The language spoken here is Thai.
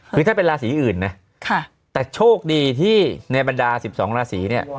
คือถ้าเป็นราศีอื่นนะแต่โชคดีที่ในบรรดา๑๒ราศีเนี่ย